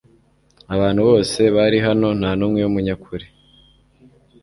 Abantu bose bari hano ntanumwe wumunyakuri